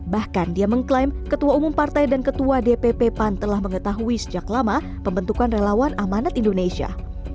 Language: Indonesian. bahkan dia mengklaim ketua umum partai dan ketua dpp pan telah mengetahui sejak lama pembentukan relawan amanat indonesia